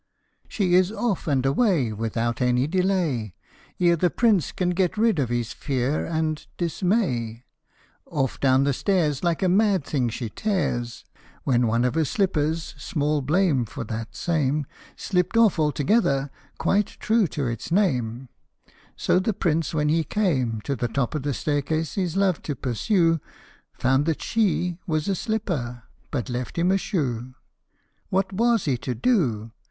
She is off and away without any delay, Ere the Prince can get rid of his fear and. dismay : Off down the stairs Like a mad thing she tears When one of her slippers, small blame for that same, Slipt off altogether, quite true to its name ; So the Prince when he came To the top of the staircase his love to pursue, Found that she was a slipper but left him a shoe. What was he to do